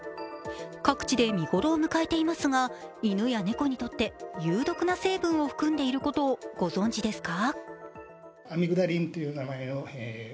各地で見頃を迎えていますが犬や猫にとって有毒な成分を含んでいることをご存じですか？